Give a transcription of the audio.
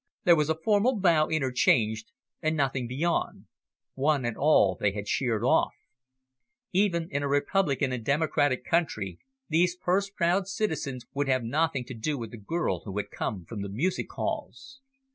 There was a formal bow interchanged, and nothing beyond; one and all they had sheered off. Even in a republican and democratic country, these purse proud citizens would have nothing to do with the girl who had come from the music halls.